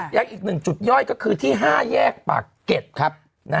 อีกหนึ่งจุดย่อยก็คือที่๕แยกปากเก็ตครับ